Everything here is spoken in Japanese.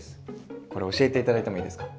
これ教えて頂いてもいいですか？